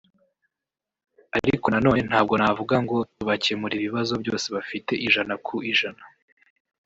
ariko na none ntabwo navuga ngo tubakemurira ibibazo byose bafite ijana ku ijana